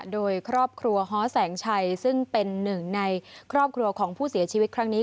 โดยครอบครัวฮอแสงชัยซึ่งเป็นหนึ่งในครอบครัวของผู้เสียชีวิตครั้งนี้